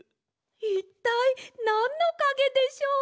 いったいなんのかげでしょう！？